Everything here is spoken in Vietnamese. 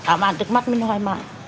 ảm ảnh trước mắt mình hoài mại